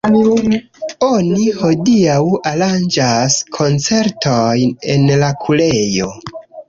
Oni hodiaŭ aranĝas koncertojn en la kurejo.